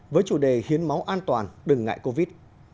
với chủ đề hiến máu an toàn đừng ngại covid